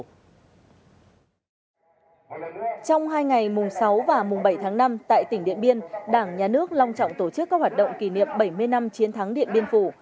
trong hai ngày mùng sáu và mùng bảy tháng năm tại tỉnh điện biên đảng nhà nước long trọng tổ chức các hoạt động kỷ niệm bảy mươi năm chiến thắng điện biên phủ